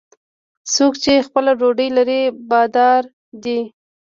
څوک چې خپله ډوډۍ لري، بادار دی.